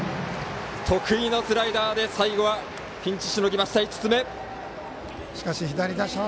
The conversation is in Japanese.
得意のスライダーで最後は、ピンチしのぎました。